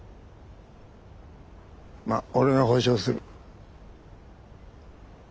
まあ俺が保証する。